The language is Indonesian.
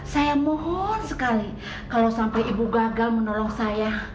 saya mohon sekali kalau sampai ibu gagal menolong saya